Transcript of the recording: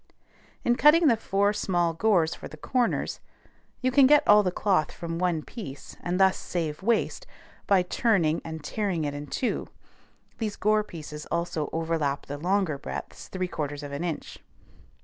In cutting the four small gores for the corners, you can get all the cloth from one piece, and thus save waste, by turning and tearing it in two; these gore pieces also overlap the longer breadths 3/4 of an inch.